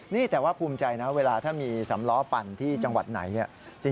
นี่แต่ว่าภูมิใจนะเวลาถ้ามีสำล้อปั่นที่จังหวัดไหนเนี่ย